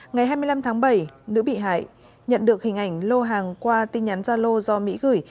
ngày hai mươi năm tháng bảy nữ bị hại nhận được hình ảnh lô hàng qua tin nhắn gia lô do mỹ gửi